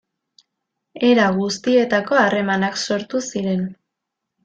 Era guztietako harremanak sortu ziren.